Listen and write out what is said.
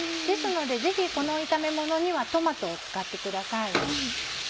ですのでぜひこの炒めものにはトマトを使ってください。